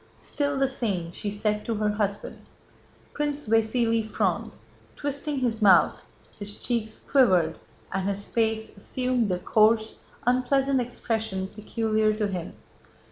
"Still the same," she said to her husband. Prince Vasíli frowned, twisting his mouth, his cheeks quivered and his face assumed the coarse, unpleasant expression peculiar to him.